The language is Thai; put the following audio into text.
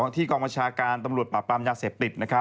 กองบัญชาการตำรวจปราบปรามยาเสพติด